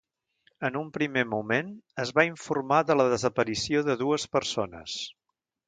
En un primer moment, es va informar de la desaparició de dues persones.